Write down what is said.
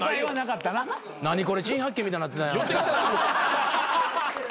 『ナニコレ珍百景』みたいなってた。